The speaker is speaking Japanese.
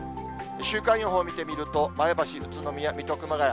週間予報見てみると、前橋、宇都宮、水戸、熊谷。